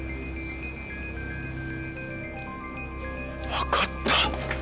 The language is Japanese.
わかった！